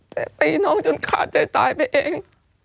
แต่ตีน้องจนขาดใจตายไปเอง